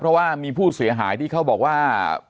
เพราะว่ามีผู้เสียหายที่เขาบอกว่า